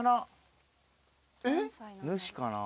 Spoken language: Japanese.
主かな？